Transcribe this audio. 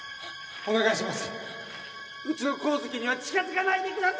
お願いします。